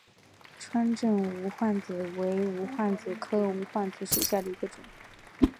川滇无患子为无患子科无患子属下的一个种。